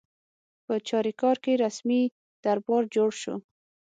په چاریکار کې رسمي دربار جوړ شو.